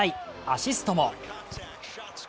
アシストも。